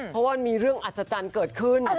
เพราะว่ามันมีเรื่องอัศจรรย์เกิดขึ้น